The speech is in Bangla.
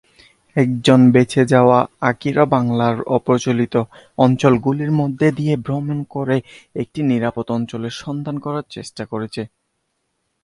একজন বেঁচে যাওয়া আকিরা বাংলার অপ্রচলিত অঞ্চলগুলির মধ্যে দিয়ে ভ্রমণ করে একটি নিরাপদ অঞ্চলের সন্ধান করার চেষ্টা করছে।